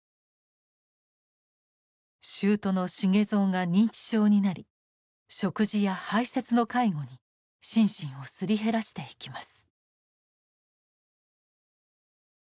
舅の茂造が認知症になり食事や排せつの介護に心身をすり減らしていきます。